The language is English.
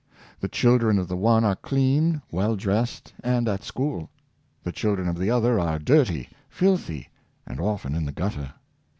The children of the one are clean, well dressed, and at school; the children of the other are dirty, filthy, and often in the gutter.